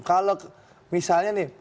kalau misalnya nih